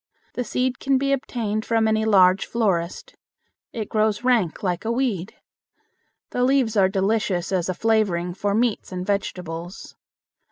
The seed can be obtained from any large florist. It grows rank like a weed. The leaves are delicious as a flavoring for meats and vegetables.